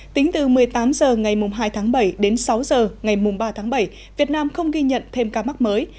tính từ một mươi tám h ngày hai tháng bảy đến sáu h ngày ba tháng bảy việt nam không ghi nhận thêm ca mắc mới